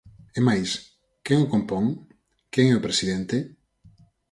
É máis, ¿quen o compón?, ¿quen é o presidente?